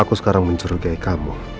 aku sekarang mencurigai kamu